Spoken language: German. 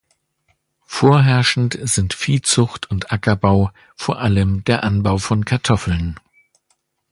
Vorherrschend sind Viehzucht und Ackerbau, vor allem der Anbau von Kartoffeln.